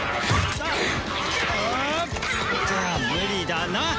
無理だな。